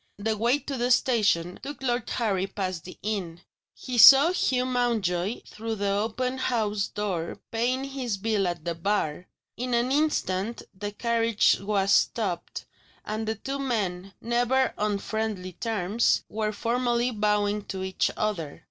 The way to the station took Lord Harry past the inn. He saw Hugh Mountjoy through the open house door paying his bill at the bar. In an instant the carriage was stopped, and the two men (never on friendly terms) were formally bowing to each other.